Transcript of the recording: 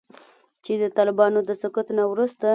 چې د طالبانو د سقوط نه وروسته